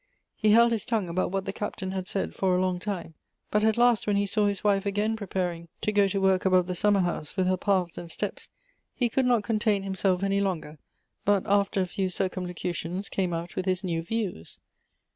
He held his tongue about what the Captain had said for a long time ; but at last, when he saw his wife again preparing to go to woi k above the summer house, with her paths and steps, he could not contain himself any longer, but, after a few circumlocutions, came out with his new views.